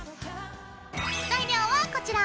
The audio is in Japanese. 材料はこちら！